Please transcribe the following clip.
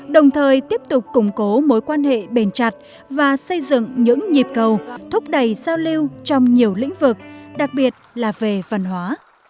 đồng thời tiếp tục củng cố mối quan hệ bền chặt và xây dựng những nhịp cầu thúc đẩy giao lưu trong nhiều lĩnh vực đặc biệt là về văn hóa